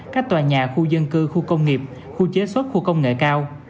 các tòa nhà khu dân cư khu công nghiệp khu chế xuất khu công nghệ cao